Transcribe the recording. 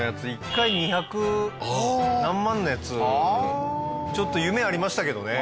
１回二百何万のやつちょっと夢ありましたけどね。